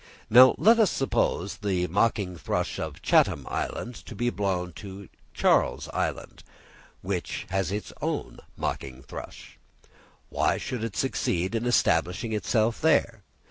Now let us suppose the mocking thrush of Chatham Island to be blown to Charles Island, which has its own mocking thrush; why should it succeed in establishing itself there?